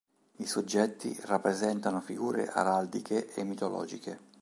I soggetti rappresentano figure araldiche e mitologiche.